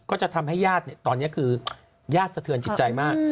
ก็จะทำให้ยาดตอนนี้คือยาดเศฒือนจิตใจมาก